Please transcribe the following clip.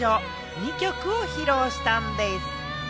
２曲を披露したんでぃす。